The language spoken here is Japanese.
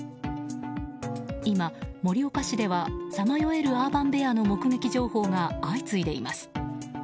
今、盛岡市ではさまよえるアーバンベアの目撃情報が相次いでいます。